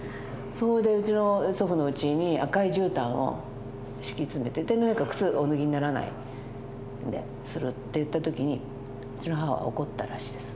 それで祖父のうちに赤いじゅうたんを敷き詰めてて天皇陛下靴お脱ぎにならないでするっていった時にうちの母は怒ったらしいです。